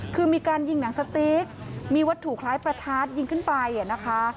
คือมีการยิงหนังสติ๊กมีวัตถุคล้ายประทัดยิงขึ้นไปนะคะ